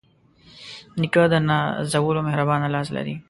نیکه د نازولو مهربانه لاس لري.